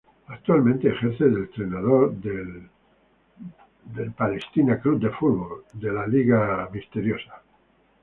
Actualmente ejerce de entrenador del Maccabi Tel Aviv de la Ligat ha'Al.